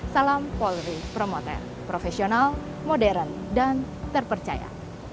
salam polri promoter profesional modern dan terpercaya